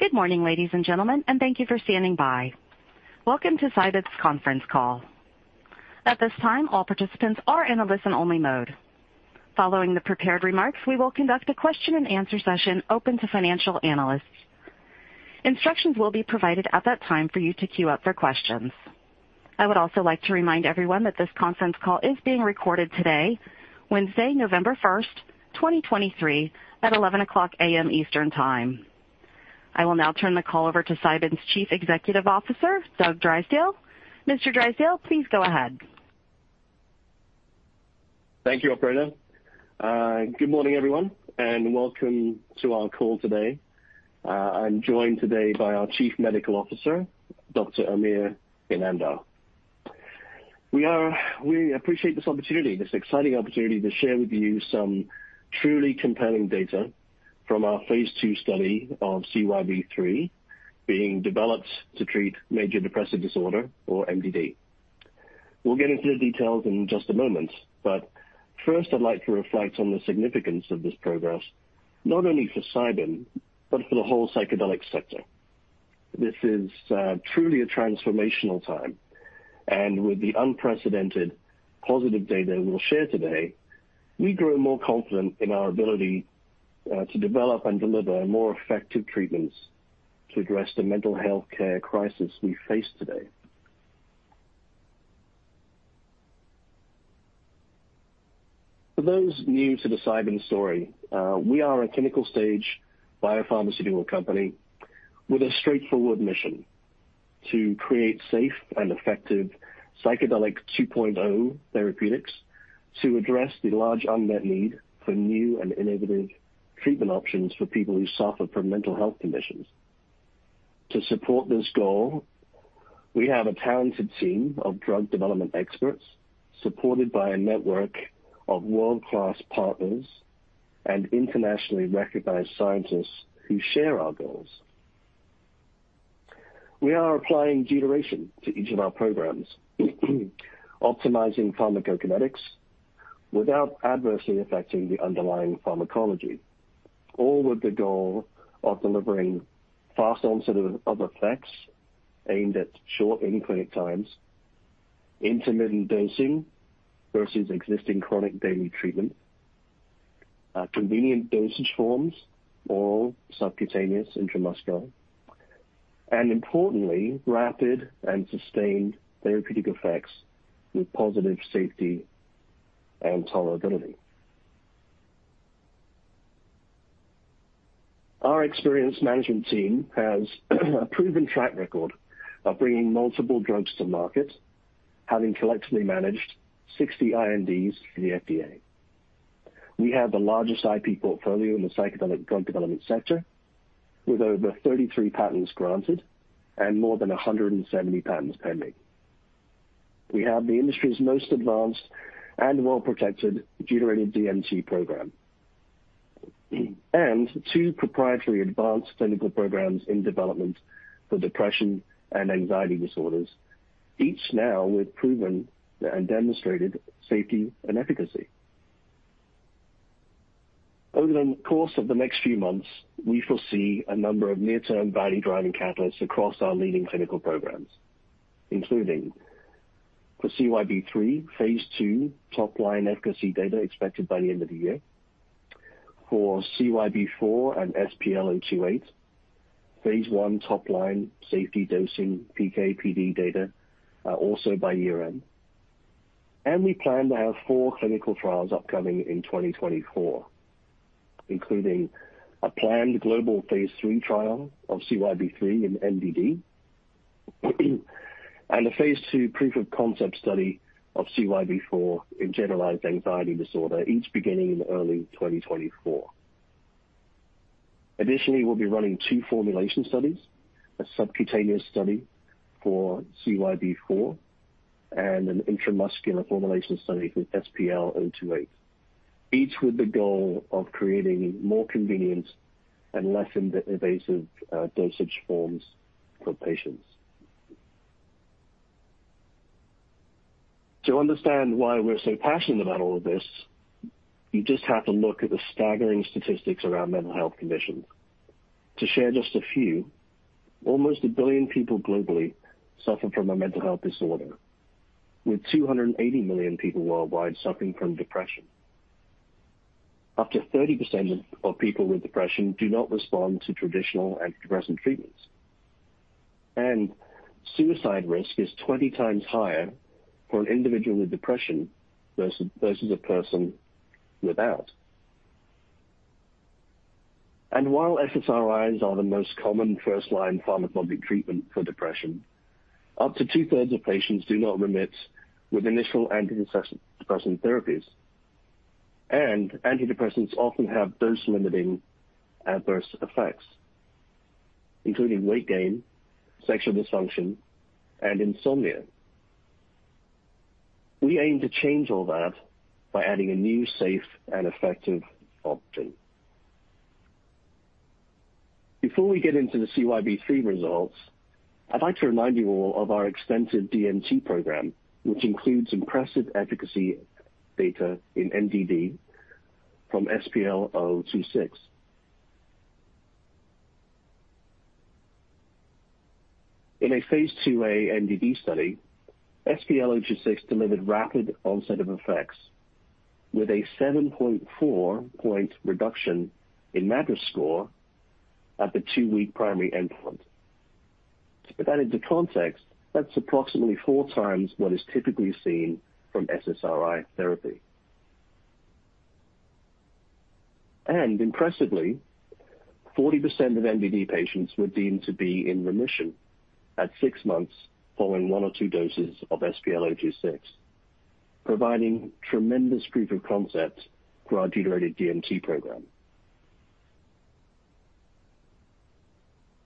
Good morning, ladies and gentlemen, and thank you for standing by. Welcome to Cybin's Conference Call. At this time, all participants are in a listen-only mode. Following the prepared remarks, we will conduct a question and answer session open to financial analysts. Instructions will be provided at that time for you to queue up for questions. I would also like to remind everyone that this conference call is being recorded today, Wednesday, November 1st, 2023 at 11:00 A.M. Eastern Time. I will now turn the call over to Cybin's Chief Executive Officer, Doug Drysdale. Mr. Drysdale, please go ahead. Thank you, operator. Good morning, everyone, and welcome to our call today. I'm joined today by our Chief Medical Officer, Dr. Amir Inamdar. We appreciate this opportunity, this exciting opportunity to share with you some truly compelling data from our phase II study of CYB003, being developed to treat major depressive disorder or MDD. We'll get into the details in just a moment, but first, I'd like to reflect on the significance of this progress, not only for Cybin, but for the whole psychedelic sector. This is truly a transformational time, and with the unprecedented positive data we'll share today, we grow more confident in our ability to develop and deliver more effective treatments to address the mental health care crisis we face today. For those new to the Cybin story, we are a clinical stage biopharmaceutical company with a straightforward mission: to create safe and effective psychedelic 2.0 therapeutics to address the large unmet need for new and innovative treatment options for people who suffer from mental health conditions. To support this goal, we have a talented team of drug development experts, supported by a network of world-class partners and internationally recognized scientists who share our goals. We are applying deuteration to each of our programs, optimizing pharmacokinetics without adversely affecting the underlying pharmacology, all with the goal of delivering fast onset of effects aimed at shortened clinic times, intermittent dosing versus existing chronic daily treatment, convenient dosage forms, oral, subcutaneous, intramuscular, and importantly, rapid and sustained therapeutic effects with positive safety and tolerability. Our experienced management team has a proven track record of bringing multiple drugs to market, having collectively managed 60 INDs for the FDA. We have the largest IP portfolio in the psychedelic drug development sector, with over 33 patents granted and more than 170 patents pending. We have the industry's most advanced and well-protected deuterated DMT program, and two proprietary advanced clinical programs in development for depression and anxiety disorders, each now with proven and demonstrated safety and efficacy. Over the course of the next few months, we foresee a number of near-term value-driving catalysts across our leading clinical programs, including for CYB003, phase II top-line efficacy data expected by the end of the year. For CYB004 and SPL028, phase I top-line safety dosing PK/PD data, also by year-end. We plan to have four clinical trials upcoming in 2024, including a planned global phase III trial of CYB003 in MDD, and a phase II proof of concept study of CYB004 in generalized anxiety disorder, each beginning in early 2024. Additionally, we'll be running two formulation studies, a subcutaneous study for CYB004 and an intramuscular formulation study for SPL028, each with the goal of creating more convenient and less invasive, dosage forms for patients. To understand why we're so passionate about all of this, you just have to look at the staggering statistics around mental health conditions. To share just a few, almost a billion people globally suffer from a mental health disorder, with 280 million people worldwide suffering from depression. Up to 30% of people with depression do not respond to traditional antidepressant treatments, and suicide risk is 20 times higher for an individual with depression versus a person without. While SSRIs are the most common first-line pharmacologic treatment for depression, up to two-thirds of patients do not remit with initial antidepressant therapies, and antidepressants often have dose-limiting adverse effects, including weight gain, sexual dysfunction, and insomnia. We aim to change all that by adding a new safe and effective option. Before we get into the CYB003 results, I'd like to remind you all of our extensive DMT program, which includes impressive efficacy data in MDD from SPL026. In a phase II-A MDD study, SPL026 delivered rapid onset of effects with a 7.4-point reduction in MADRS score at the two-week primary endpoint. To put that into context, that's approximately four times what is typically seen from SSRI therapy. And impressively, 40% of MDD patients were deemed to be in remission at six months following one or two doses of SPL026, providing tremendous proof of concept for our deuterated DMT program.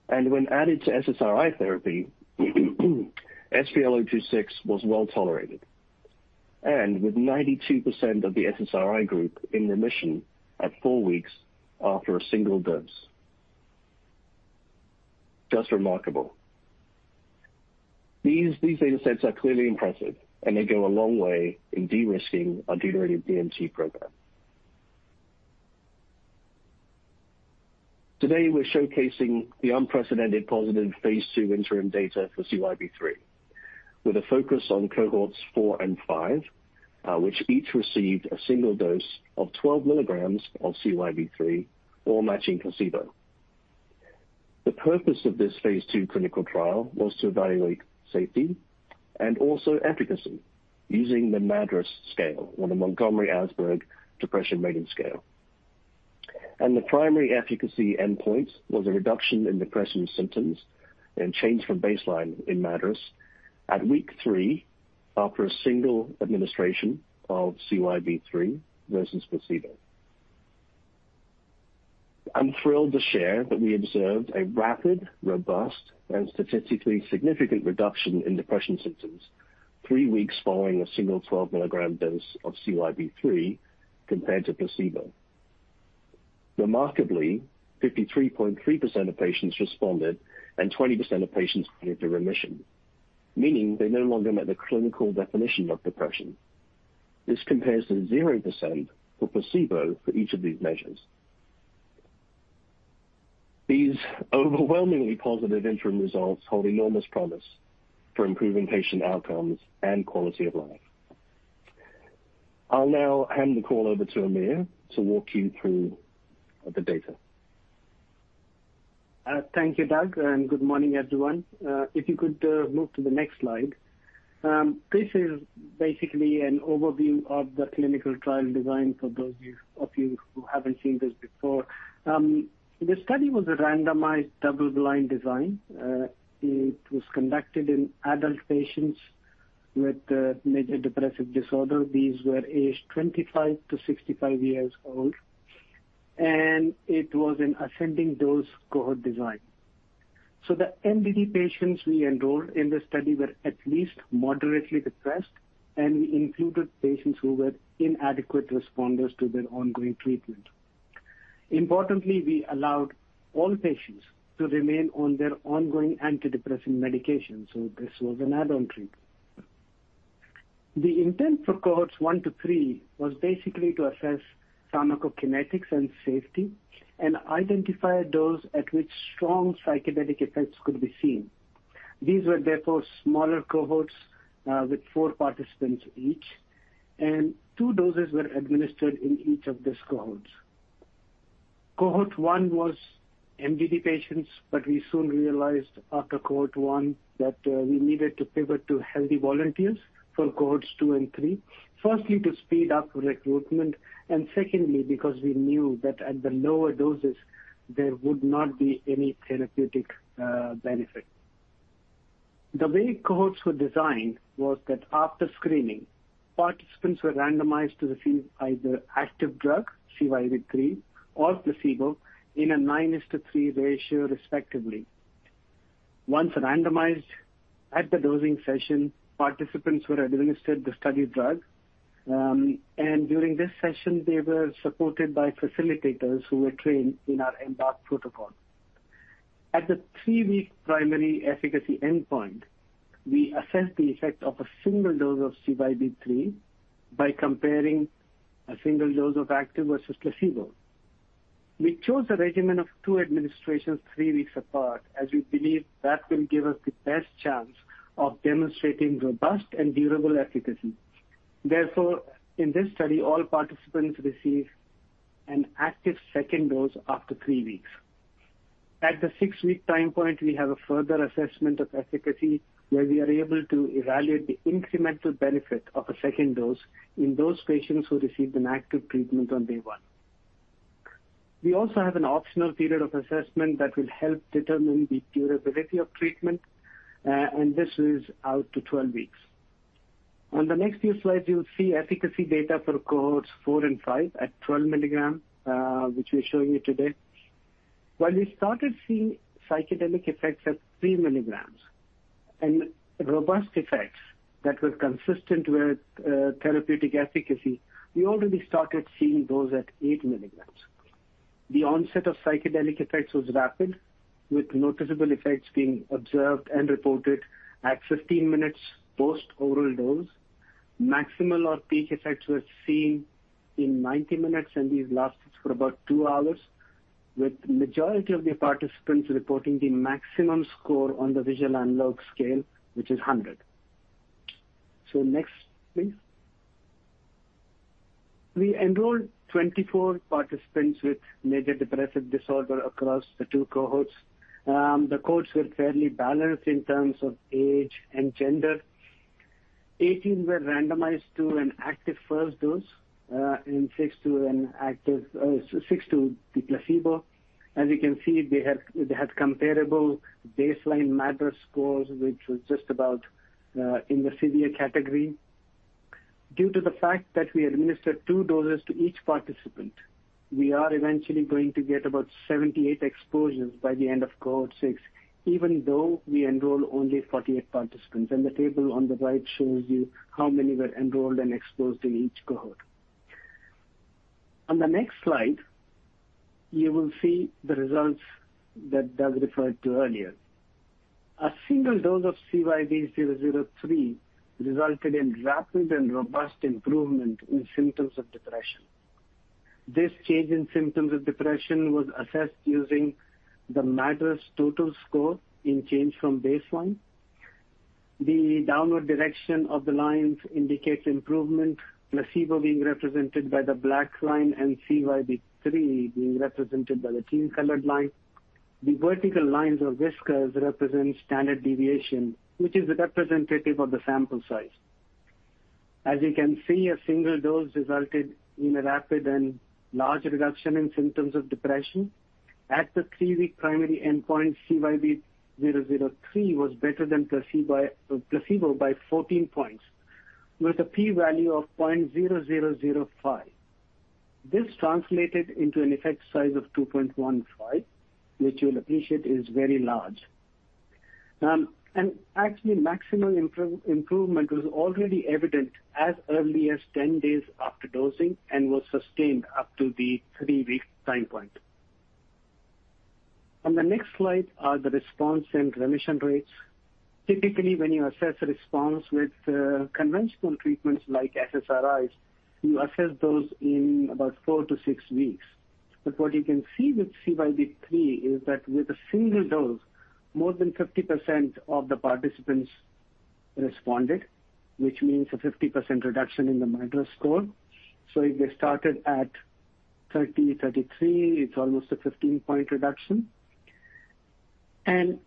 And when added to SSRI therapy, SPL026 was well tolerated, and with 92% of the SSRI group in remission at four weeks after a single dose. Just remarkable. These, these data sets are clearly impressive, and they go a long way in de-risking our deuterated DMT program. Today, we're showcasing the unprecedented positive phase II interim data for CYB003, with a focus on cohorts four and five, which each received a single dose of 12 mg of CYB003 or matching placebo. The purpose of this phase II clinical trial was to evaluate safety and also efficacy using the MADRS scale or the Montgomery-Åsberg Depression Rating Scale. The primary efficacy endpoint was a reduction in depression symptoms and change from baseline in MADRS at week three after a single administration of CYB003 versus placebo. I'm thrilled to share that we observed a rapid, robust, and statistically significant reduction in depression symptoms three weeks following a single 12 mg dose of CYB003 compared to placebo. Remarkably, 53.3% of patients responded, and 20% of patients went into remission, meaning they no longer met the clinical definition of depression. This compares to 0% for placebo for each of these measures. These overwhelmingly positive interim results hold enormous promise for improving patient outcomes and quality of life. I'll now hand the call over to Amir to walk you through the data. Thank you, Doug, and good morning, everyone. If you could move to the next slide. This is basically an overview of the clinical trial design for those of you who haven't seen this before. The study was a randomized, double-blind design. It was conducted in adult patients with major depressive disorder. These were aged 25-65 years old, and it was an ascending dose cohort design. So the MDD patients we enrolled in the study were at least moderately depressed, and we included patients who were inadequate responders to their ongoing treatment. Importantly, we allowed all patients to remain on their ongoing antidepressant medication, so this was an add-on treatment. The intent for cohorts one to three was basically to assess pharmacokinetics and safety and identify a dose at which strong psychedelic effects could be seen. These were therefore smaller cohorts with four participants each, and two doses were administered in each of these cohorts. Cohort one was MDD patients, but we soon realized after cohort one that we needed to pivot to healthy volunteers for cohorts two and three. Firstly, to speed up recruitment, and secondly, because we knew that at the lower doses, there would not be any therapeutic benefit. The way cohorts were designed was that after screening, participants were randomized to receive either active drug, CYB003, or placebo in a nine to three ratio, respectively. Once randomized at the dosing session, participants were administered the study drug, and during this session, they were supported by facilitators who were trained in our EMBARK protocol. At the three-week primary efficacy endpoint, we assessed the effect of a single dose of CYB003 by comparing a single dose of active versus placebo. We chose a regimen of two administrations three weeks apart, as we believe that will give us the best chance of demonstrating robust and durable efficacy. Therefore, in this study, all participants receive an active second dose after three weeks. At the six-week time point, we have a further assessment of efficacy, where we are able to evaluate the incremental benefit of a second dose in those patients who received an active treatment on day one. We also have an optional period of assessment that will help determine the durability of treatment, and this is out to 12 weeks. On the next few slides, you'll see efficacy data for cohorts four and five at 12 mg, which we're showing you today. While we started seeing psychedelic effects at 3 mg and robust effects that were consistent with therapeutic efficacy, we already started seeing those at 8 mg The onset of psychedelic effects was rapid, with noticeable effects being observed and reported at 15 minutes post oral dose. Maximal or peak effects were seen in 90 minutes, and these lasted for about two hours, with majority of the participants reporting the maximum score on the visual analog scale, which is 100. So next, please. We enrolled 24 participants with major depressive disorder across the two cohorts. The cohorts were fairly balanced in terms of age and gender. 18 were randomized to an active first dose, and six to the placebo. As you can see, they had comparable baseline MADRS scores, which was just about in the severe category. Due to the fact that we administered two doses to each participant, we are eventually going to get about 78 exposures by the end of cohort six, even though we enroll only 48 participants. The table on the right shows you how many were enrolled and exposed in each cohort. On the next slide, you will see the results that Doug referred to earlier. A single dose of CYB003 resulted in rapid and robust improvement in symptoms of depression. This change in symptoms of depression was assessed using the MADRS total score in change from baseline. The downward direction of the lines indicates improvement, placebo being represented by the black line and CYB003 being represented by the teal colored line. The vertical lines or whiskers represent standard deviation, which is representative of the sample size. As you can see, a single dose resulted in a rapid and large reduction in symptoms of depression. At the three-week primary endpoint, CYB003 was better than placebo by 14 points, with a p-value of 0.0005. This translated into an effect size of 2.15, which you'll appreciate is very large. And actually, maximal improvement was already evident as early as 10 days after dosing and was sustained up to the three-week time point. On the next slide are the response and remission rates. Typically, when you assess a response with conventional treatments like SSRIs, you assess those in about four to six weeks. But what you can see with CYB003 is that with a single dose, more than 50% of the participants responded, which means a 50% reduction in the MADRS score. So if they started at 33, it's almost a 15-point reduction.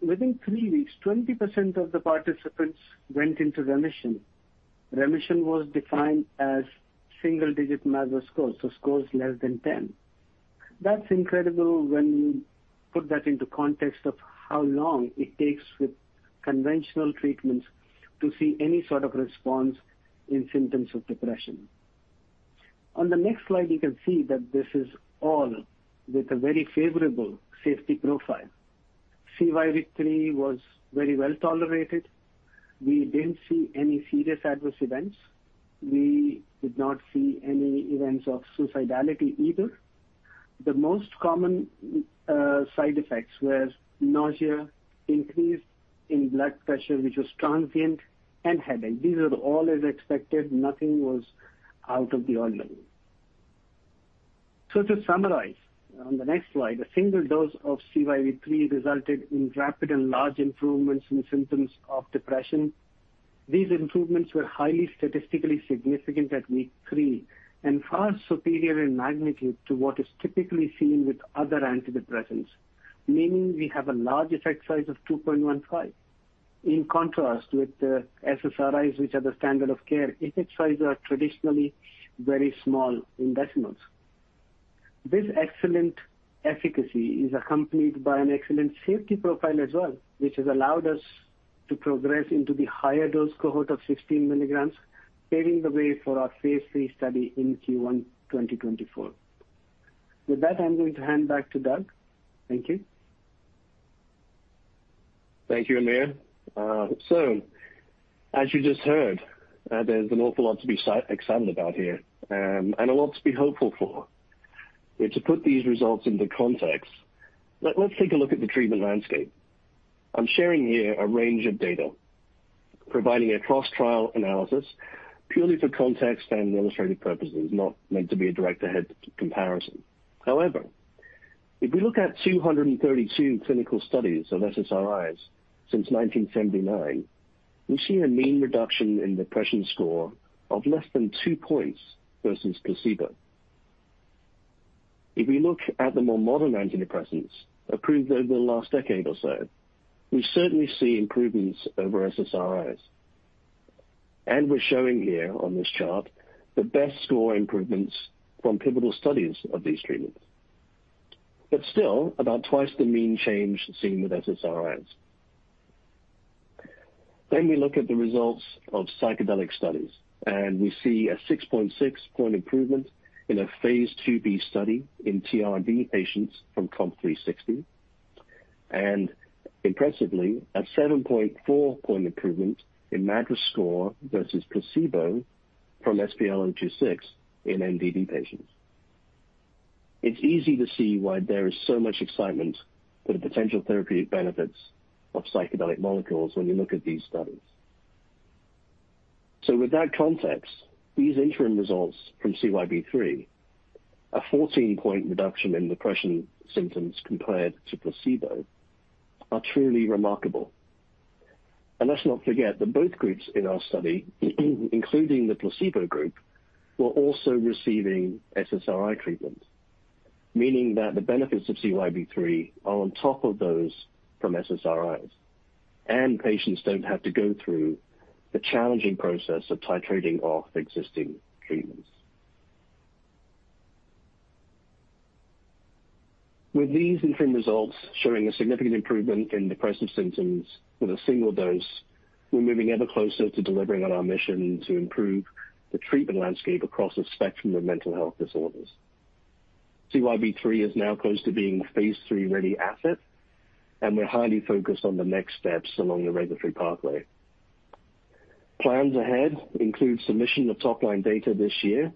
Within three weeks, 20% of the participants went into remission. Remission was defined as single-digit MADRS scores, so scores less than 10. That's incredible when you put that into context of how long it takes with conventional treatments to see any sort of response in symptoms of depression. On the next slide, you can see that this is all with a very favorable safety profile. CYB003 was very well tolerated. We didn't see any serious adverse events. We did not see any events of suicidality either. The most common side effects were nausea, increase in blood pressure, which was transient, and headache. These are all as expected. Nothing was out of the ordinary. So to summarize, on the next slide, a single dose of CYB003 resulted in rapid and large improvements in symptoms of depression. These improvements were highly statistically significant at week three and far superior in magnitude to what is typically seen with other antidepressants, meaning we have a large effect size of 2.15. In contrast with the SSRIs, which are the standard of care, effect sizes are traditionally very small in decimals. This excellent efficacy is accompanied by an excellent safety profile as well, which has allowed us to progress into the higher dose cohort of 16 mg, paving the way for our phase III study in Q1 2024. With that, I'm going to hand back to Doug. Thank you. Thank you, Amir. So as you just heard, there's an awful lot to be so excited about here, and a lot to be hopeful for. To put these results into context, let's take a look at the treatment landscape. I'm sharing here a range of data, providing a cross-trial analysis purely for context and illustrative purposes, not meant to be a direct head comparison. However, if we look at 232 clinical studies of SSRIs since 1979, we see a mean reduction in depression score of less than two points versus placebo. If we look at the more modern antidepressants approved over the last decade or so, we certainly see improvements over SSRIs, and we're showing here on this chart the best score improvements from pivotal studies of these treatments, but still about twice the mean change seen with SSRIs. Then we look at the results of psychedelic studies, and we see a 6.6-point improvement in a phase II-B study in TRD patients from COMP360. And impressively, a 7.4-point improvement in MADRS score versus placebo from SPL026 in MDD patients. It's easy to see why there is so much excitement for the potential therapeutic benefits of psychedelic molecules when you look at these studies. So with that context, these interim results from CYB003, a 14-point reduction in depression symptoms compared to placebo, are truly remarkable. And let's not forget that both groups in our study, including the placebo group, were also receiving SSRI treatment, meaning that the benefits of CYB003 are on top of those from SSRIs, and patients don't have to go through the challenging process of titrating off existing treatments. With these interim results showing a significant improvement in depressive symptoms with a single dose, we're moving ever closer to delivering on our mission to improve the treatment landscape across a spectrum of mental health disorders. CYB003 is now close to being a phase III-ready asset, and we're highly focused on the next steps along the regulatory pathway. Plans ahead include submission of top-line data this year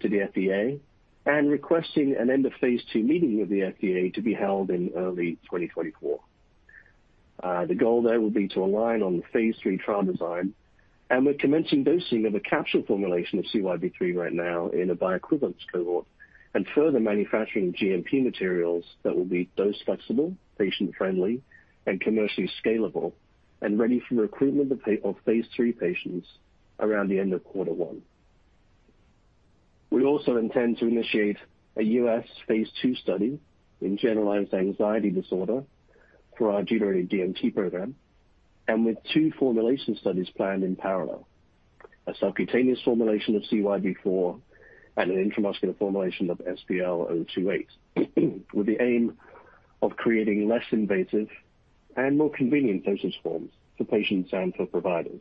to the FDA and requesting an end-of-phase II meeting with the FDA to be held in early 2024. The goal there will be to align on the phase III trial design, and we're commencing dosing of a capsule formulation of CYB003 right now in a bioequivalence cohort and further manufacturing GMP materials that will be dose-flexible, patient-friendly, and commercially scalable, and ready for recruitment of phase III patients around the end of quarter one. We also intend to initiate a U.S. phase II study in generalized anxiety disorder for our CYB004 DMT program, and with two formulation studies planned in parallel: a subcutaneous formulation of CYB004 and an intramuscular formulation of SPL028, with the aim of creating less invasive and more convenient dosage forms for patients and for providers.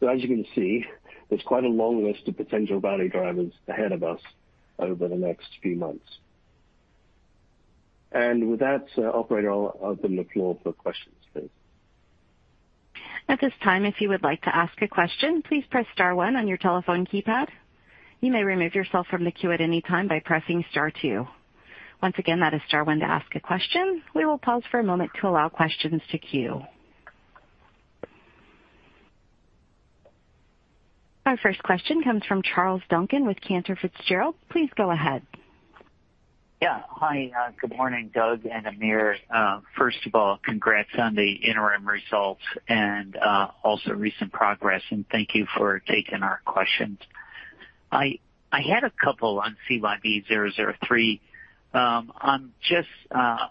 So as you can see, there's quite a long list of potential value drivers ahead of us over the next few months. And with that, operator, I'll open the floor for questions, please. At this time, if you would like to ask a question, please press star one on your telephone keypad. You may remove yourself from the queue at any time by pressing star two. Once again, that is star one to ask a question. We will pause for a moment to allow questions to queue. Our first question comes from Charles Duncan with Cantor Fitzgerald. Please go ahead. Yeah. Hi, good morning, Doug and Amir. First of all, congrats on the interim results and also recent progress, and thank you for taking our questions. I had a couple on CYB003. I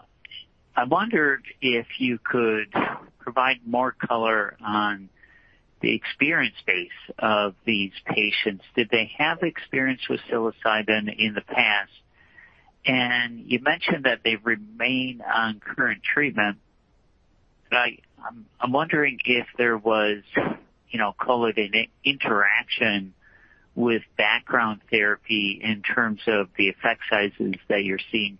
wondered if you could provide more color on the experience base of these patients. Did they have experience with psilocybin in the past? And you mentioned that they remain on current treatment. I'm wondering if there was, you know, call it an interaction with background therapy in terms of the effect sizes that you're seeing.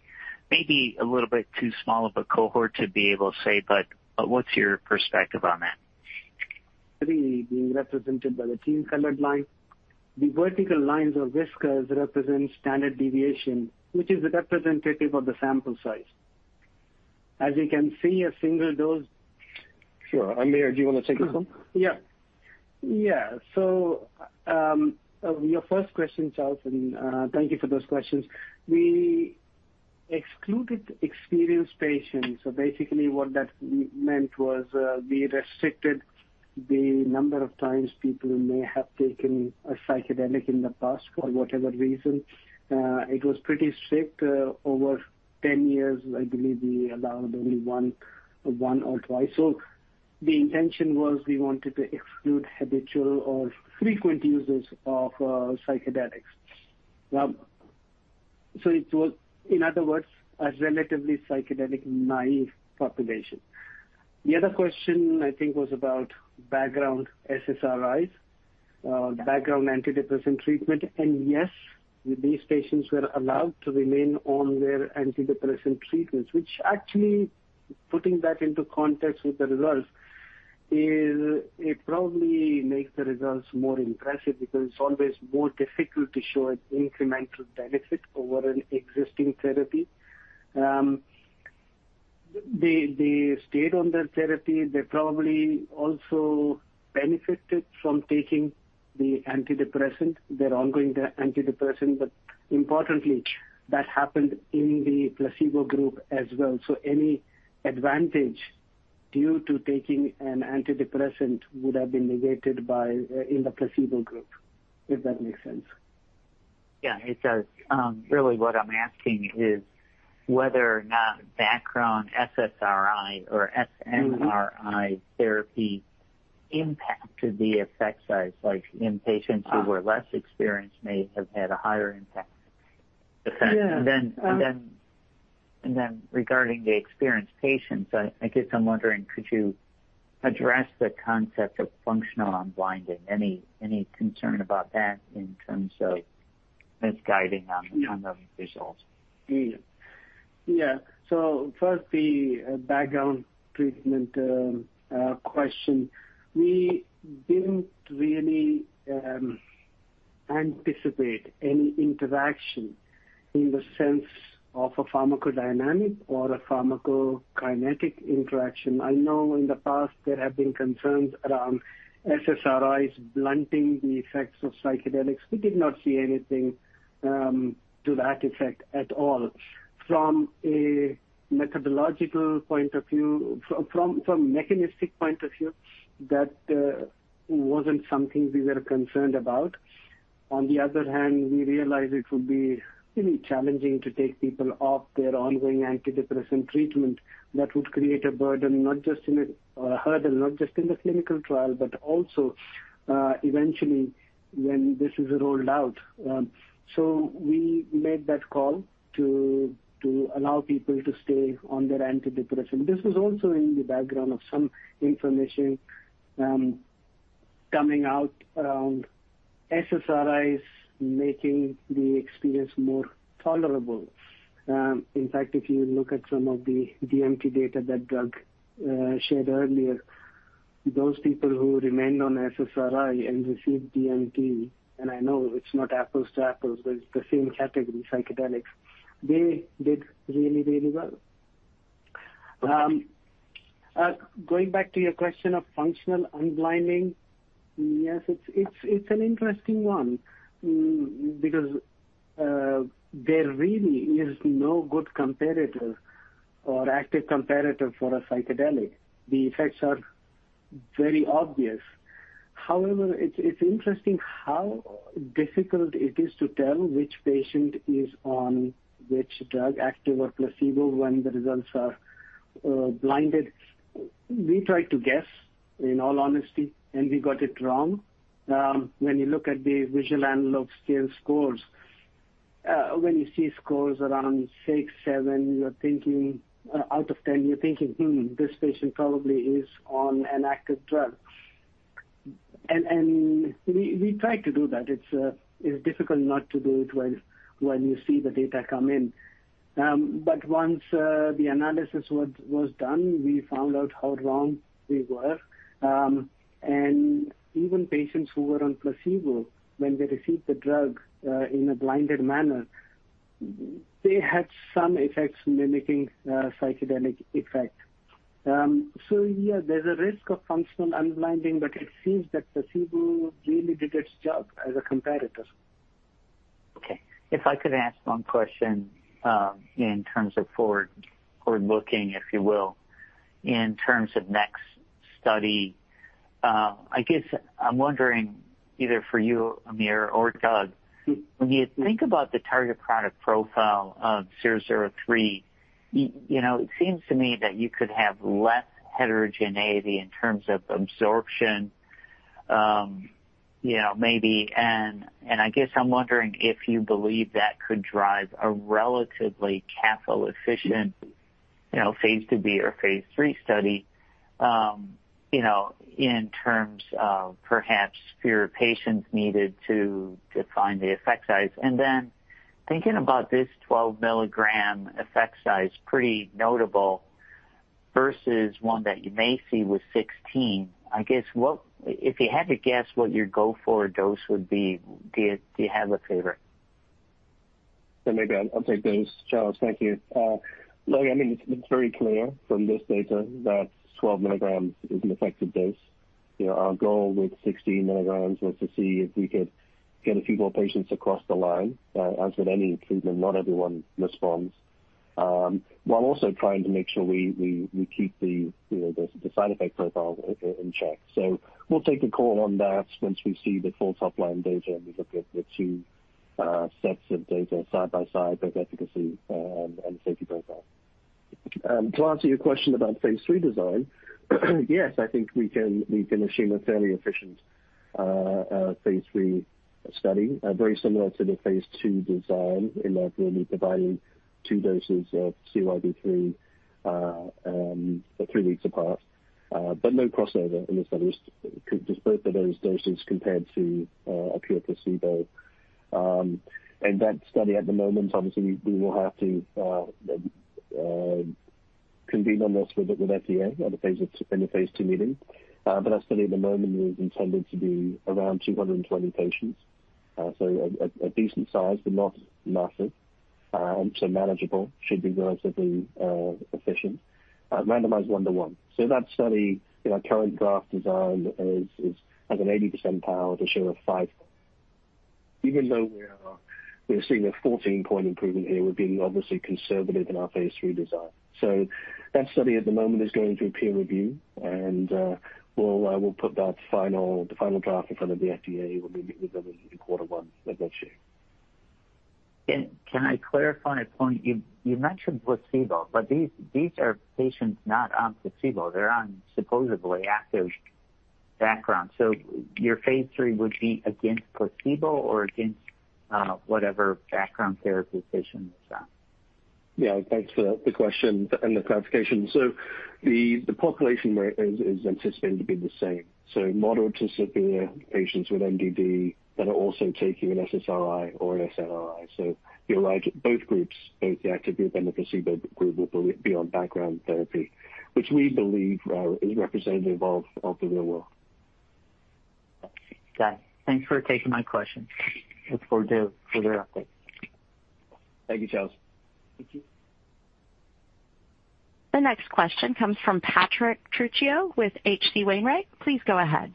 Maybe a little bit too small of a cohort to be able to say, but what's your perspective on that? Being represented by the team-colored line. The vertical lines of whiskers represent standard deviation, which is representative of the sample size. As you can see, a single dose. Sure. Amir, do you want to take this one? Yeah. Yeah. So, your first question, Charles, and thank you for those questions. We excluded experienced patients, so basically what that meant was we restricted the number of times people may have taken a psychedelic in the past for whatever reason. It was pretty strict. Over 10 years, I believe we allowed only one or two. So the intention was we wanted to exclude habitual or frequent users of psychedelics. Now, so it was, in other words, a relatively psychedelic naive population. The other question, I think, was about background SSRIs, background antidepressant treatment, and yes, these patients were allowed to remain on their antidepressant treatments, which actually, putting that into context with the results, probably makes the results more impressive because it's always more difficult to show an incremental benefit over an existing therapy. They, they stayed on their therapy. They probably also benefited from taking the antidepressant, their ongoing antidepressant, but importantly, that happened in the placebo group as well. So any advantage due to taking an antidepressant would have been negated by, in the placebo group, if that makes sense. Yeah, it does. Really what I'm asking is whether or not background SSRI or SNRI- Mm-hmm. therapy impacted the effect size, like in patients- Uh. who were less experienced may have had a higher impact effect. Yeah. And then, regarding the experienced patients, I guess I'm wondering, could you address the concept of functional unblinding? Any concern about that in terms of misguiding on the kind of results. Yeah. Yeah. So first, the background treatment question. We didn't really anticipate any interaction in the sense of a pharmacodynamic or a pharmacokinetic interaction. I know in the past there have been concerns around SSRIs blunting the effects of psychedelics. We did not see anything to that effect at all. From a methodological point of view, from a mechanistic point of view, that wasn't something we were concerned about. On the other hand, we realized it would be really challenging to take people off their ongoing antidepressant treatment. That would create a burden, not just a hurdle, not just in the clinical trial, but also eventually when this is rolled out. So we made that call to allow people to stay on their antidepressant. This was also in the background of some information coming out around SSRIs making the experience more tolerable. In fact, if you look at some of the DMT data that Doug shared earlier, those people who remained on SSRI and received DMT, and I know it's not apples to apples, but it's the same category, psychedelics, they did really, really well. Going back to your question of functional unblinding. Yes, it's an interesting one, because there really is no good comparator or active comparator for a psychedelic. The effects are very obvious. However, it's interesting how difficult it is to tell which patient is on which drug, active or placebo, when the results are blinded. We tried to guess, in all honesty, and we got it wrong. When you look at the visual analog scale scores, when you see scores around six, seven, you're thinking, out of ten, you're thinking, "Hmm, this patient probably is on an active drug." And we tried to do that. It's difficult not to do it when you see the data come in. But once the analysis was done, we found out how wrong we were. And even patients who were on placebo, when they received the drug, in a blinded manner, they had some effects mimicking psychedelic effect. So yeah, there's a risk of functional unblinding, but it seems that placebo really did its job as a comparator. Okay. If I could ask one question, in terms of forward-looking, if you will, in terms of next study. I guess I'm wondering, either for you, Amir or Doug, when you think about the target product profile of CYB003, you know, it seems to me that you could have less heterogeneity in terms of absorption, you know, maybe. I guess I'm wondering if you believe that could drive a relatively capital efficient, you know, phase II-B or phase III study, you know, in terms of perhaps fewer patients needed to define the effect size. And then thinking about this 12 mg effect size, pretty notable, versus one that you may see with 16, I guess, what—if you had to guess what your go-forward dose would be, do you, do you have a favorite? So maybe I'll take this. Charles, thank you. Look, I mean, it's very clear from this data that 12 mg is an effective dose. You know, our goal with 16 mg was to see if we could get a few more patients across the line. As with any treatment, not everyone responds. While also trying to make sure we keep the, you know, the side effect profile in check. So we'll take a call on that once we see the full top line data, and we look at the two sets of data side by side, both efficacy and safety profile. To answer your question about phase III design, yes, I think we can achieve a fairly efficient phase III study very similar to the phase II design, in that we'll be providing two doses of CYB003 three weeks apart, but no crossover in the studies. Just both of those doses compared to a pure placebo. That study at the moment, obviously, we will have to convene on this with FDA at the phase II, in the phase II meeting. But that study at the moment is intended to be around 220 patients. So a decent size, but not massive. So manageable, should be relatively efficient. Randomized 1:1. So that study in our current draft design is has an 80% power to show a five. Even though we're seeing a 14-point improvement here, we're being obviously conservative in our phase III design. So that study at the moment is going through peer review, and we'll put the final draft in front of the FDA when we meet with them in quarter one of next year. Can I clarify a point? You mentioned placebo, but these are patients not on placebo. They're on supposedly active background. So your phase III would be against placebo or against whatever background therapy patient is on? Yeah, thanks for the question and the clarification. So the population rate is anticipated to be the same. So moderate to severe patients with MDD that are also taking an SSRI or an SNRI. So you're right, both groups, both the active group and the placebo group, will be on background therapy, which we believe is representative of the real world. Okay. Thanks for taking my question. Look forward to further updates. Thank you, Charles. Thank you. The next question comes from Patrick Trucchio with H.C. Wainwright. Please go ahead.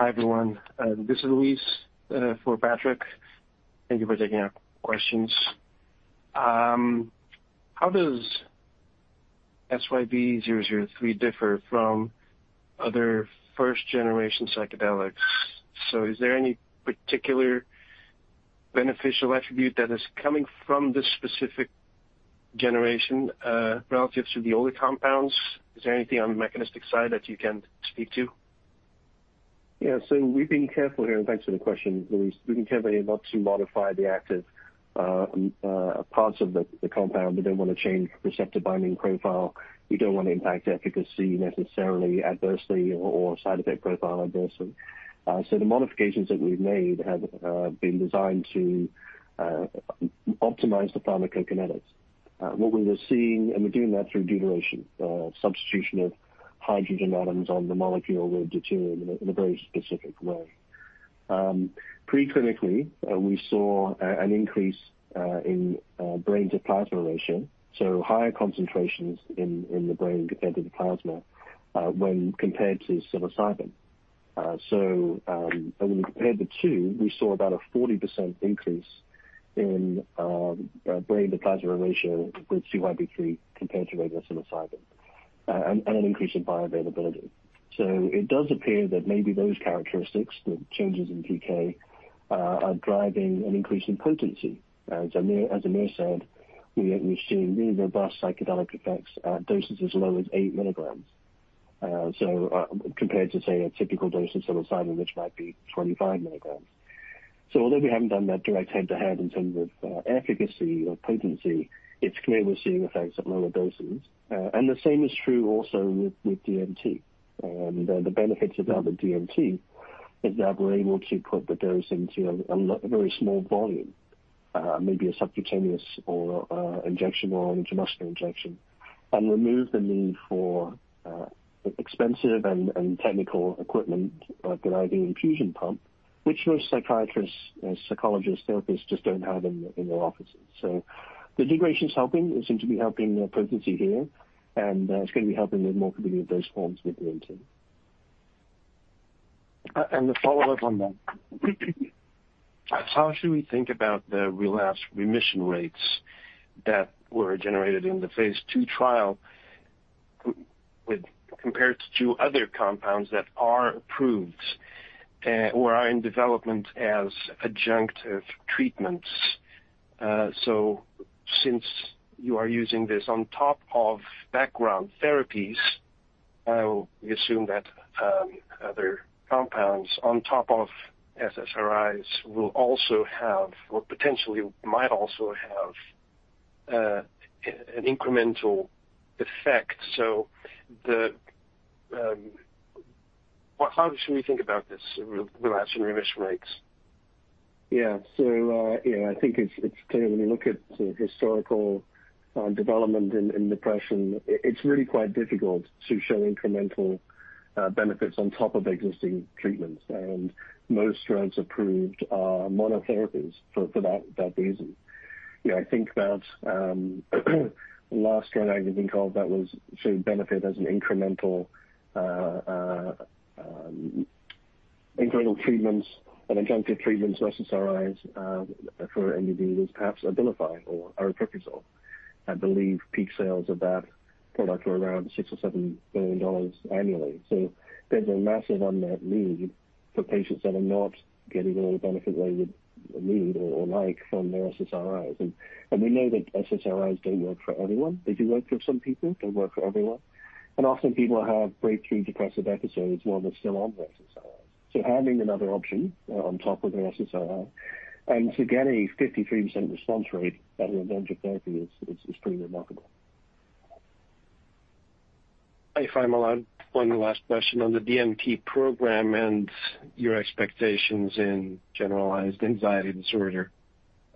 Hi, everyone. This is Luis for Patrick. Thank you for taking our questions. How does CYB003 differ from other first-generation psychedelics? So is there any particular beneficial attribute that is coming from this specific generation relative to the older compounds? Is there anything on the mechanistic side that you can speak to? Yeah. So we've been careful here, and thanks for the question, Luis. We've been careful not to modify the active parts of the compound. We don't want to change receptor binding profile. We don't want to impact efficacy necessarily adversely or side effect profile adversely. So the modifications that we've made have been designed to optimize the pharmacokinetics. What we were seeing, and we're doing that through deuteration, substitution of hydrogen atoms on the molecule with deuterium in a very specific way. Preclinically, we saw an increase in brain to plasma ratio, so higher concentrations in the brain and in the plasma when compared to psilocybin. So, when we compared the two, we saw about a 40% increase in, brain to plasma ratio with CYB003 compared to regular psilocybin, and, and an increase in bioavailability. So it does appear that maybe those characteristics, the changes in PK, are driving an increase in potency. As Amir, as Amir said, we, we've seen really robust psychedelic effects at doses as low as 8 mg. So, compared to, say, a typical dose of psilocybin, which might be 25 mg. So although we haven't done that direct head-to-head in terms of, efficacy or potency, it's clear we're seeing effects at lower doses. And the same is true also with, with DMT. And the benefits of other DMT is that we're able to put the dose into a very small volume, maybe a subcutaneous or injection or an intramuscular injection, and remove the need for expensive and technical equipment like an IV infusion pump, which most psychiatrists and psychologist therapists just don't have in their offices. So the deuteration is helping. It seems to be helping the potency here, and it's going to be helping with more convenient dose forms with DMT. And a follow-up on that. How should we think about the relapse remission rates that were generated in the phase II trial with compared to other compounds that are approved, or are in development as adjunctive treatments? So since you are using this on top of background therapies, I'll assume that, other compounds on top of SSRIs will also have or potentially might also have, an incremental effect. So the... How should we think about this relapse and remission rates? Yeah. So, yeah, I think it's clear when you look at the historical development in depression, it's really quite difficult to show incremental benefits on top of existing treatments. And most drugs approved are monotherapies for that reason. You know, I think that the last drug I can think of that was shown benefit as an incremental treatments and adjunctive treatments, SSRIs, for MDD was perhaps Abilify or aripiprazole. I believe peak sales of that product were around $6 billion-$7 billion annually. So there's a massive unmet need for patients that are not getting all the benefit they would need or like from their SSRIs. And we know that SSRIs don't work for everyone. They do work for some people, don't work for everyone, and often people have breakthrough depressive episodes while they're still on the SSRI. So having another option on top of an SSRI, and to get a 53% response rate out of adjunctive therapy is pretty remarkable. If I'm allowed one last question on the DMT program and your expectations in generalized anxiety disorder.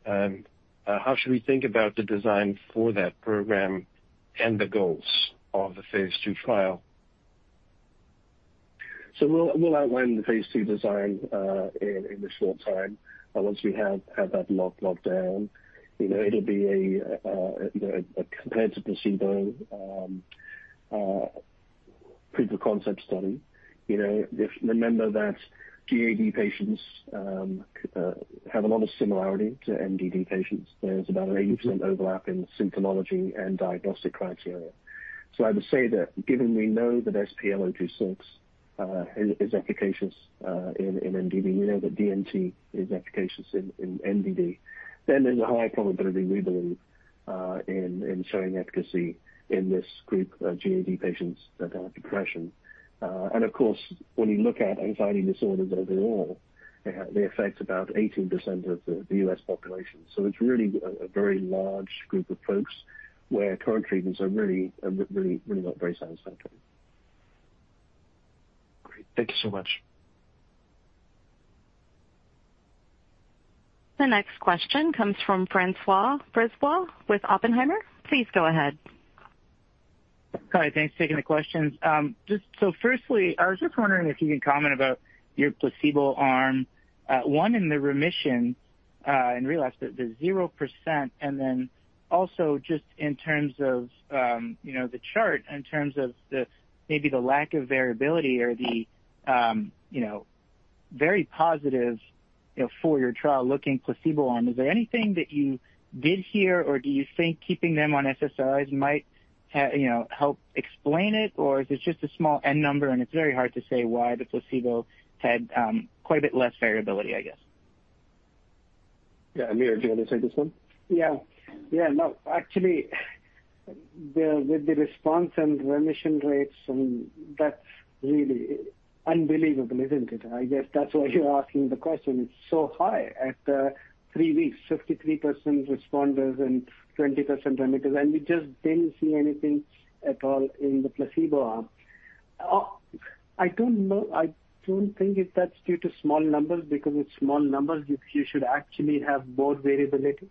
How should we think about the design for that program and the goals of the phase II trial? So we'll outline the phase II design in the short time. But once we have had that locked down, you know, it'll be a compared to placebo proof of concept study. You know, if remember that GAD patients have a lot of similarity to MDD patients. There's about an 80% overlap in symptomology and diagnostic criteria. So I would say that given we know that SPL026 is efficacious in MDD, we know that DMT is efficacious in MDD, then there's a high probability, we believe in showing efficacy in this group of GAD patients that have depression. And of course, when you look at anxiety disorders overall, they affect about 18% of the U.S. population.It's really a very large group of folks where current treatments are really, really, really not very satisfactory. Great. Thank you so much. The next question comes from François Brisebois with Oppenheimer. Please go ahead. Hi. Thanks for taking the questions. Just so firstly, I was just wondering if you could comment about your placebo arm, one in the remission, and relapse, the 0%. And then also just in terms of, you know, the chart, in terms of the maybe the lack of variability or the, you know, very positive, you know, for your trial-looking placebo arm. Is there anything that you did hear, or do you think keeping them on SSRIs might have, you know, help explain it? Or is this just a small N number, and it's very hard to say why the placebo had quite a bit less variability, I guess? Yeah. Amir, do you want to take this one? Yeah. Yeah. No, actually, with the response and remission rates, that's really unbelievable, isn't it? I guess that's why you're asking the question. It's so high at three weeks, 53% responders and 20% remitters, and we just didn't see anything at all in the placebo arm. I don't know. I don't think that's due to small numbers, because with small numbers, you should actually have more variability.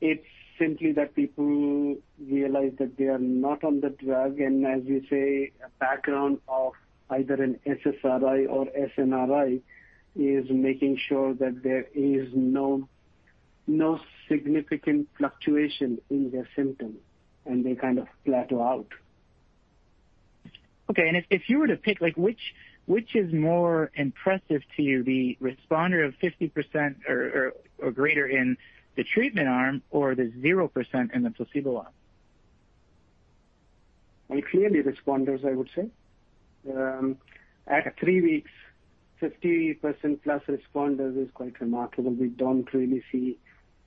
It's simply that people realize that they are not on the drug. And as you say, a background of either an SSRI or SNRI is making sure that there is no significant fluctuation in their symptoms, and they kind of plateau out. Okay. And if you were to pick, like, which is more impressive to you, the responder of 50% or greater in the treatment arm or the 0% in the placebo arm? Well, clearly, responders, I would say. At three weeks, 50%+ responders is quite remarkable. We don't really see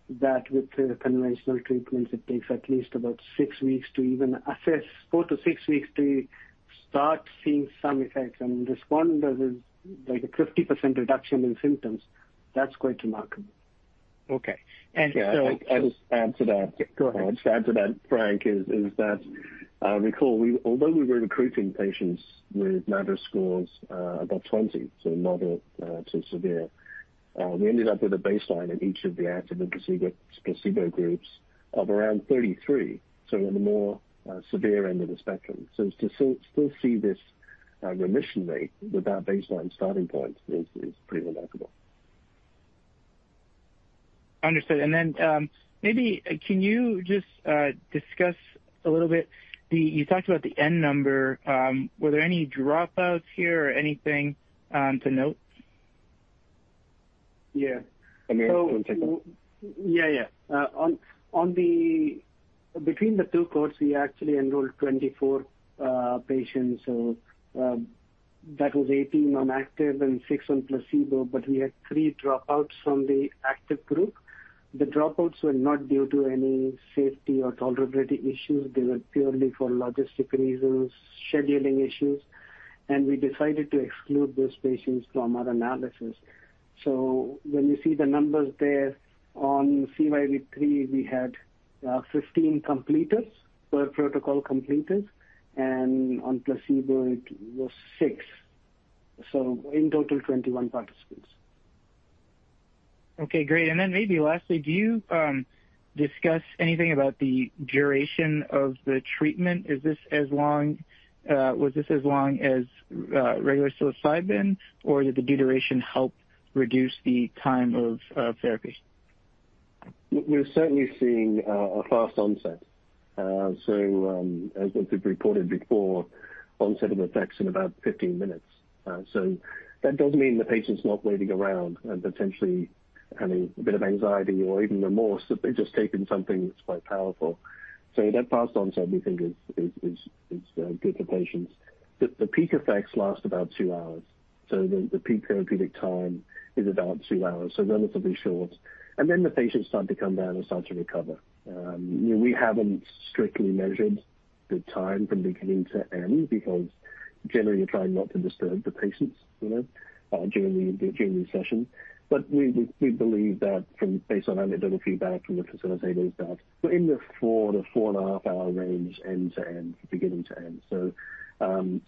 that with conventional treatments. It takes at least about six weeks to even assess, four to six weeks to start seeing some effects, and responders is like a 50% reduction in symptoms. That's quite remarkable. Okay. And so- Yeah, I'll just add to that. Go ahead. I'll just add to that, Frank, is that recall we although we were recruiting patients with MADRS scores about 20, so moderate to severe, we ended up with a baseline in each of the active and placebo groups of around 33, so in the more severe end of the spectrum. So to still see this remission rate with that baseline starting point is pretty remarkable. Understood. And then, maybe can you just discuss a little bit the... You talked about the N number. Were there any dropouts here or anything to note? Yeah. Amir, do you want to take it? Yeah, yeah. Between the two cohorts, we actually enrolled 24 patients. So, that was 18 on active and six on placebo, but we had three dropouts from the active group. The dropouts were not due to any safety or tolerability issues. They were purely for logistic reasons, scheduling issues, and we decided to exclude those patients from our analysis. So when you see the numbers there on CYB003, we had 15 completers, per protocol completers, and on placebo it was six. So in total, 21 participants. Okay, great. And then maybe lastly, do you discuss anything about the duration of the treatment? Is this as long as regular psilocybin, or did the duration help reduce the time of therapy? We're certainly seeing a fast onset. So, as we've reported before, onset of effects in about 15 minutes. So that does mean the patient's not waiting around and potentially having a bit of anxiety or even remorse that they've just taken something that's quite powerful. So that fast onset, we think, is good for patients. The peak effects last about two hours, so the peak therapeutic time is about two hours, so relatively short. And then the patients start to come down and start to recover. We haven't strictly measured the time from beginning to end because generally, you're trying not to disturb the patients, you know, during the session. But we believe that based on anecdotal feedback from the facilitators, that we're in the 4-4.5-hour range, end to end, beginning to end. So,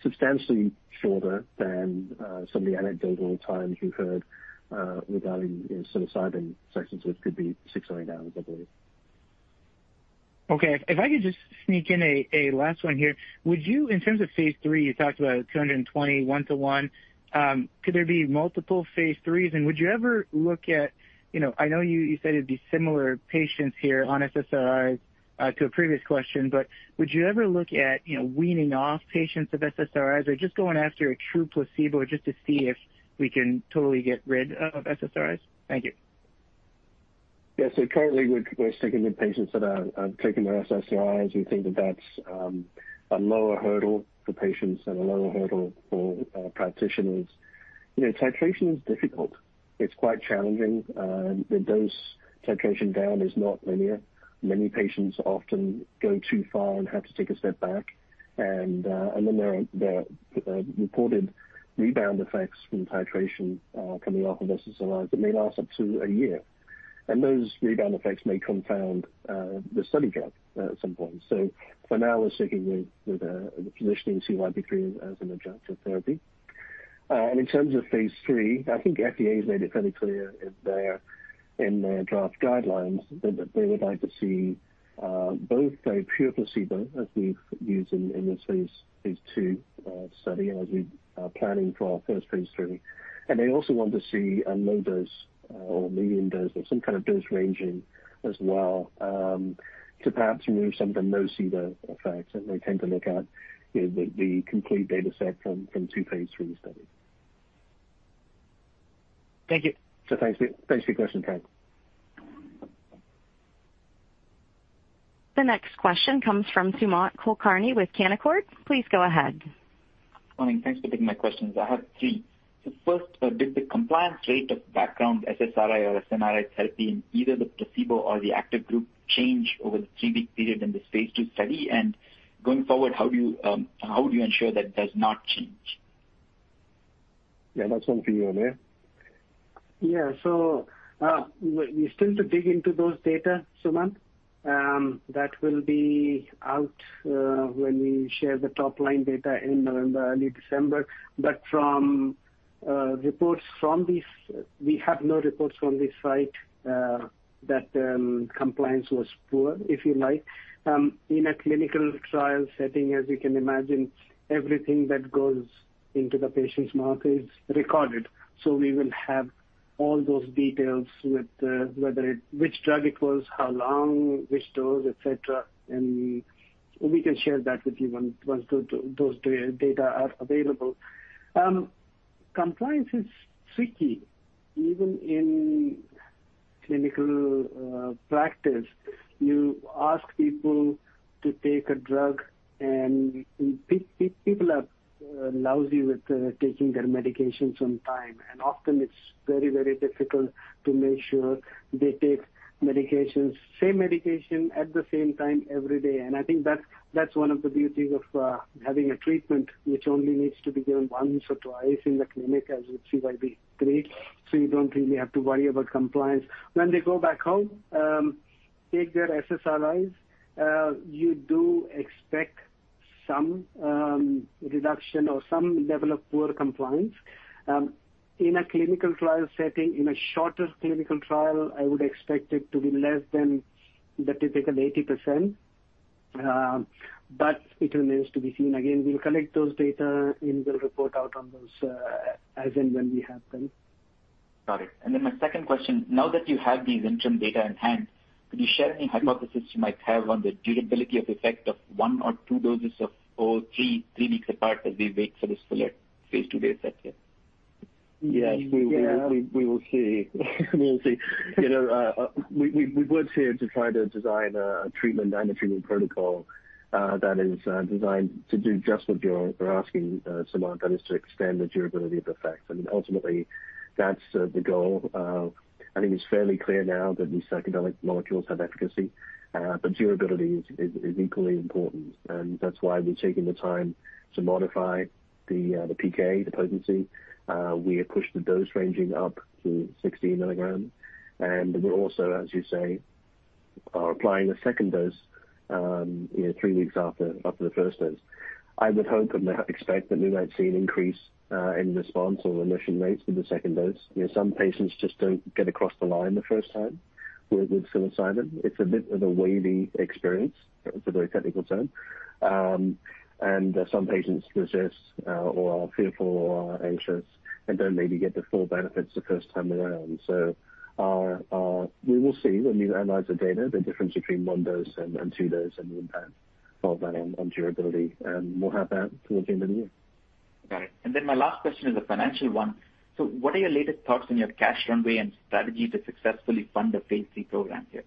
substantially shorter than some of the anecdotal times we've heard regarding, you know, psilocybin sessions, which could be six or eight hours, I believe. Okay. If I could just sneak in a, a last one here. Would you, in terms of phase III, you talked about 220, 1:1. Could there be multiple phase IIIs, and would you ever look at-- You know, I know you, you said it'd be similar patients here on SSRIs, to a previous question, but would you ever look at, you know, weaning off patients of SSRIs or just going after a true placebo just to see if we can totally get rid of SSRIs? Thank you. Yeah. So currently, we're sticking with patients that are taking their SSRIs. We think that that's a lower hurdle for patients and a lower hurdle for practitioners. You know, titration is difficult. It's quite challenging. The dose titration down is not linear. Many patients often go too far and have to take a step back. And then there are the reported rebound effects from titration coming off of SSRIs that may last up to a year. And those rebound effects may compound the study gap at some point. So for now, we're sticking with the positioning CYB003 as an adjunctive therapy. And in terms of phase III, I think FDA has made it fairly clear in their draft guidelines that they would like to see both a pure placebo, as we've used in this phase II study, and as we are planning for our first phase III. They also want to see a low dose or medium dose or some kind of dose ranging as well, to perhaps remove some of the nocebo effects. They tend to look at the complete data set from two phase III studies. Thank you. Thanks. Thanks for your question, Frank. The next question comes from Sumant Kulkarni with Canaccord. Please go ahead. Morning. Thanks for taking my questions. I have three. The first, did the compliance rate of background SSRI or SNRI therapy in either the placebo or the active group change over the three-week period in the phase II study? And going forward, how do you, how do you ensure that does not change? Yeah, that's one for you, Amir. Yeah. So, we're still to dig into those data, Suman. That will be out when we share the top line data in November, early December. But from reports from this, we have no reports from this site that compliance was poor, if you like. In a clinical trial setting, as you can imagine, everything that goes into the patient's mouth is recorded. So we will have all those details with whether it, which drug it was, how long, which dose, et cetera, and we can share that with you once those data are available. Compliance is tricky. Even in clinical practice, you ask people to take a drug, and people are lousy with taking their medications on time. Often it's very, very difficult to make sure they take medications, same medication at the same time every day. I think that's one of the beauties of having a treatment which only needs to be given once or twice in the clinic, as with CYB003. So you don't really have to worry about compliance. When they go back home, take their SSRIs, you do expect some reduction or some level of poor compliance. In a clinical trial setting, in a shorter clinical trial, I would expect it to be less than the typical 80%. But it remains to be seen. Again, we'll collect those data and we'll report out on those, as and when we have them. Got it. And then my second question, now that you have these interim data in hand, could you share any hypothesis you might have on the durability of effect of one or two doses of or three, three weeks apart as we wait for this phase II data set here? Yes, we- Yeah. We will see. We will see. You know, we've worked here to try to design a treatment and a treatment protocol that is designed to do just what you're asking, Sumant, that is to extend the durability of effect. And ultimately, that's the goal. I think it's fairly clear now that these psychedelic molecules have efficacy, but durability is equally important, and that's why we're taking the time to modify the PK, the potency. We have pushed the dose ranging up to 60 mg, and we're also, as you say, applying a second dose, you know, three weeks after the first dose. I would hope and expect that we might see an increase in response or remission rates with the second dose. You know, some patients just don't get across the line the first time with psilocybin. It's a bit of a wavy experience. It's a very technical term. And some patients resist or are fearful or anxious and don't maybe get the full benefits the first time around. So we will see when we analyze the data, the difference between one dose and two dose, and the impact of that on durability, and we'll have that towards the end of the year. Got it. And then my last question is a financial one. So what are your latest thoughts on your cash runway and strategy to successfully fund the phase III program here?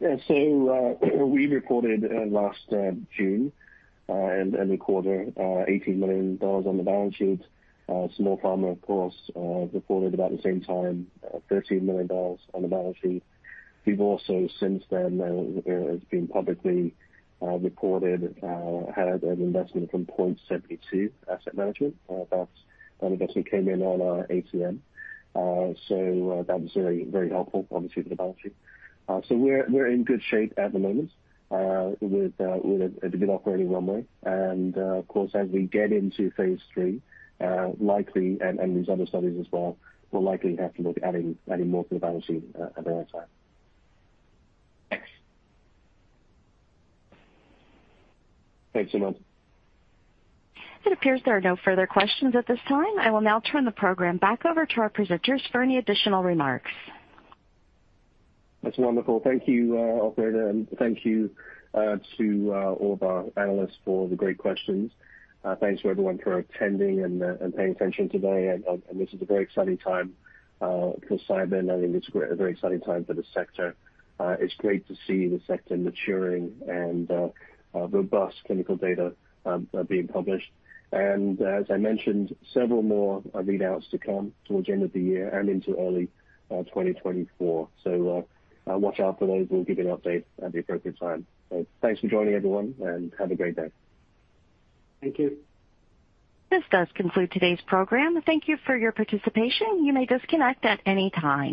Yeah. So, we reported last June and ended the quarter $80 million on the balance sheet. Small Pharma, of course, reported about the same time $13 million on the balance sheet. We've also, since then, it's been publicly reported, had an investment from Point72 Asset Management. That investment came in on our ATM. So, that was very, very helpful, obviously, for the balance sheet. So we're, we're in good shape at the moment with a good operating runway. And, of course, as we get into phase III, likely, and these other studies as well, we'll likely have to look at adding, adding more to the balance sheet at that time. Thanks. Thanks, Sumant. It appears there are no further questions at this time. I will now turn the program back over to our presenters for any additional remarks. That's wonderful. Thank you, operator, and thank you to all of our analysts for the great questions. Thanks to everyone for attending and paying attention today. And this is a very exciting time for Cybin, and I think it's a very exciting time for the sector. It's great to see the sector maturing and robust clinical data being published. And as I mentioned, several more readouts to come towards the end of the year and into early 2024. So watch out for those. We'll give you an update at the appropriate time. So thanks for joining, everyone, and have a great day. Thank you. This does conclude today's program. Thank you for your participation. You may disconnect at any time.